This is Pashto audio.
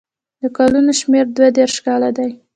د کلونو شمېر دوه دېرش کاله دی.